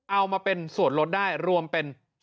เอามาเป็นส่วนลดได้รวมเป็น